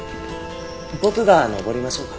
僕が登りましょうか？